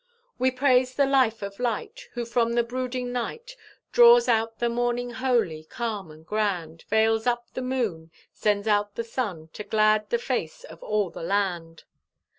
We praise the Life of Light! Who from the brooding night Draws out the morning holy, calm, and grand; Veils up the moon, Sends out the sun, To glad the face of all the land.